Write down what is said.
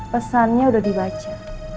pesannya udah dibaca